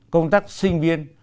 công tác sinh viên